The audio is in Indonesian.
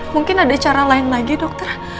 mungkin ada cara lain lagi dokter